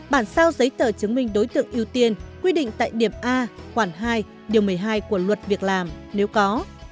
bản sao giấy tờ chứng minh đối tượng ưu tiên quy định tại điểm a khoản hai điều một mươi hai của luật việc làm nếu có